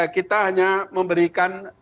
kita hanya memberikan